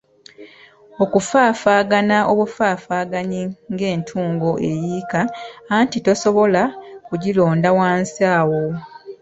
Okufaafaagana obufaafaaganyi ng'entungo eyiika anti oba tokyasobola kugironda wansi awo.